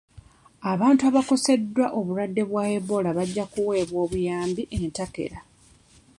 Abantu abakoseddwa obulwadde bwa Ebola bajja kuweebwa obuyambi entakera.